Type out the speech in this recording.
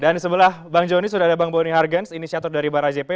dan di sebelah bang joni sudah ada bang boni hargens inisiator dari barajepi